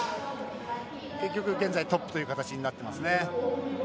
結局、現在トップという形になってますね。